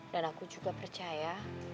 dan aku juga percaya